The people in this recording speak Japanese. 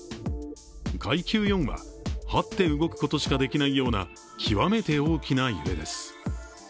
階級４は、はって動くことしかできないような極めて大きな揺れです。